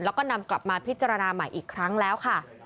แล้วก็นำกลับมาพิจารณาใหม่อีกครั้งแล้วค่ะ